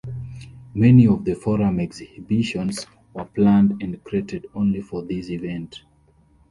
Many of the Forum Exhibitions were planned and created only for this event.